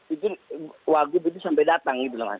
itu wagu itu sampai datang